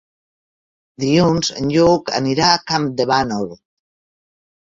Dilluns en Lluc anirà a Campdevànol.